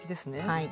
はい。